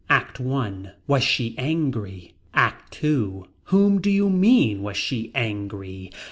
ACT I. Was she angry. ACT II. Whom do you mean was she angry.